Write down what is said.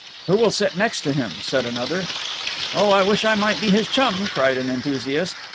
"Who will sit next to him?" said another. "Oh, I wish I might be his chum!" cried an enthusiast.